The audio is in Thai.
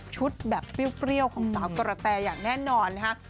แบบเปรี้ยวของสาวกระแตอย่างแน่นอนนะคะ